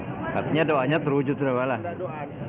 artinya doanya terwujud